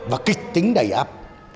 và kịch tính đầy áp